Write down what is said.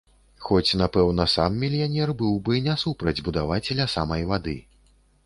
Хоць, напэўна, сам мільянер быў бы не супраць будаваць ля самай вады.